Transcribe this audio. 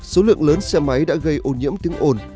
số lượng lớn xe máy đã gây ô nhiễm tiếng ồn